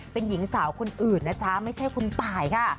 เป็นหญิงสาวคนอื่นนะจ๊ะไม่ใช่คุณตายค่ะ